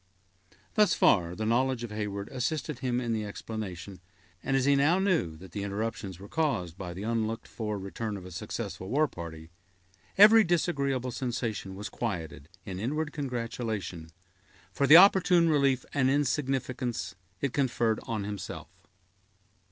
Thus far the knowledge of Heyward assisted him in the explanation; and as he now knew that the interruption was caused by the unlooked for return of a successful war party, every disagreeable sensation was quieted in inward congratulation, for the opportune relief and insignificance it conferred on himself.